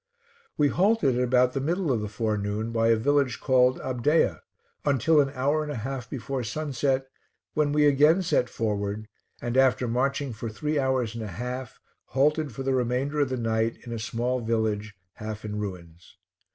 We halted at about the middle of the forenoon, by a village called Abdea, until an hour and a half before sunset, when we again set forward, and after marching for three hours and a half, halted for the remainder of the night in a small village, half in ruins.